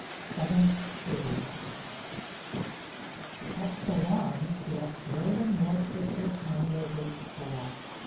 SEVENTH STAGE AT Ceylon the Australian mail ship Britannia waits for us.